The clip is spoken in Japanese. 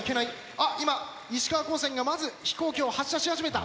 あっ今石川高専がまず飛行機を発射し始めた。